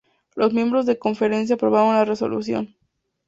Los miembros de la conferencia aprobaron la resolución.